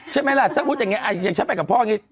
ใช่ไหมล่ะถ้าพูดอย่างนี้เกี่ยวกับพ่อแบบพิษ